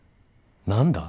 何だ？